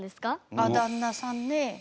あっ旦那さんねえ。